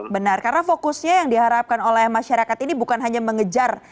benar karena fokusnya yang diharapkan oleh masyarakat ini bukan hanya mengejar